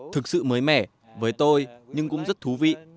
thực sự mới mẻ với tôi nhưng cũng rất thú vị